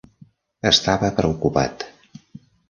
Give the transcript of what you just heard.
Estava preocupat.